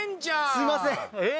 すいませんえっ！？